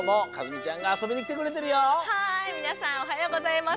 はいみなさんおはようございます。